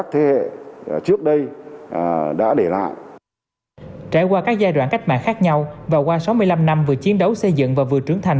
trải qua các giai đoạn cách mạng khác nhau và qua sáu mươi năm năm vừa chiến đấu xây dựng và vừa trưởng thành